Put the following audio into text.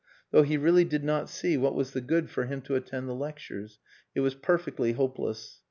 Though he really did not see what was the good for him to attend the lectures. It was perfectly hopeless.